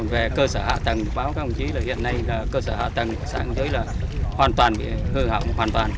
về cơ sở hạ tầng báo các ông chí là hiện nay cơ sở hạ tầng của xã biên giới là hoàn toàn bị hư hỏng